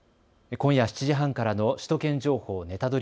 今夜７時半からの首都圏情報ネタドリ！